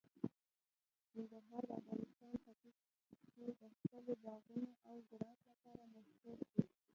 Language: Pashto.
ننګرهار د افغانستان ختیځ کې د خپلو باغونو او زراعت لپاره مشهور دی.